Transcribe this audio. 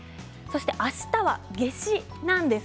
あしたは夏至なんです。